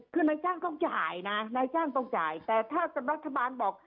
คือนายจ้างต้องจ่ายนะนายจ้างต้องจ่ายแต่ถ้ารัฐบาลบอก